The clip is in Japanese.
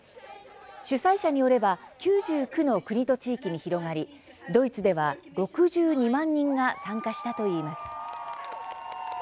主催者によれば９９の国と地域に広がりドイツでは６２万人が参加したといいます。